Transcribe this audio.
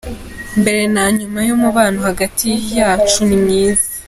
Mbere na nyuma umubano hagati yacu ni mwiza.